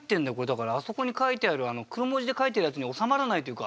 だからあそこに書いてある黒文字で書いてるやつに収まらないというか